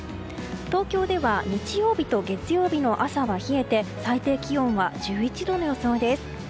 東京では日曜日と月曜日の朝は冷えて最低気温は１１度の予想です。